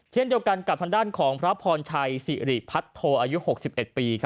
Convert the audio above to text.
เช่นเดียวกันกับทางด้านของพระพรชัยสิริพัทโทอายุ๖๑ปี